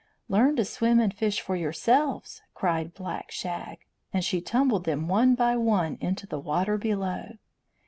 "Learn to swim and fish for yourselves," cried Black Shag, and she tumbled them one by one into the water below.